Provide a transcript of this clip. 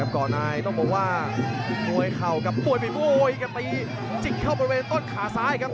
ก่อนนายต้องบอกว่ามวยเขากับปุ่ยปิดปุ่ยกับตีจิ๊กเข้าบริเวณต้นขาซ้ายครับ